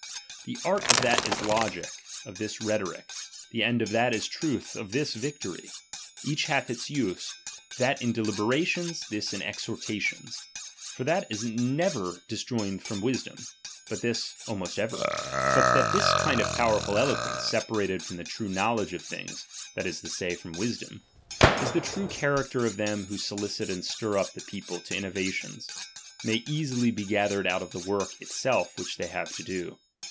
The art ^H of that is logic, of this rhetoric ; the end of that ^H is truth, of this victory. Each hath its use ; that in ^H deliberations, this in exhortations ; for that is never ^1 disjoined from wisdom, but this almost ever. But ^H that this kind of powerful eloquence, separated ^H from the true knowledge of things, that is to say, ^H from wisdom, is the true character of them who ^H solicit and stir up the people to innovations, may ^H easily be gathered out of the work itself which ^H they have to do.